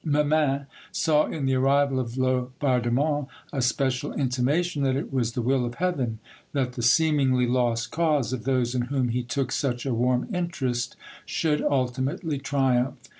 Memin saw in the arrival of Laubardemont a special intimation that it was the will of Heaven that the seemingly lost cause of those in whom he took such a warm interest should ultimately triumph.